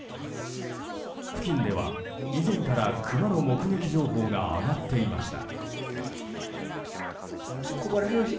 付近では以前から、クマの目撃情報が上がっていました。